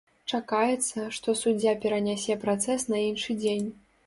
Чакаецца, што суддзя перанясе працэс на іншы дзень.